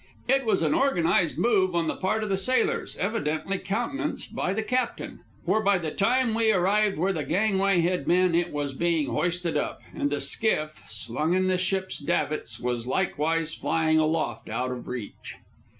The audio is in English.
It was an organized move on the part of the sailors, evidently countenanced by the captain; for by the time we arrived where the gangway had been, it was being hoisted up, and the skiff, slung in the ship's davits, was likewise flying aloft out of reach.